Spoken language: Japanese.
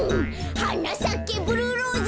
「はなさけブルーローズ」